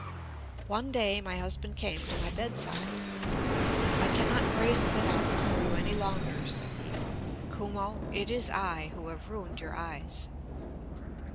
One day my husband came to my bedside. "I cannot brazen it out before you any longer," said he, "Kumo, it is I who have ruined your eyes."